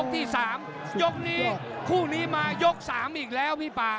ติดตามยังน้อยกว่า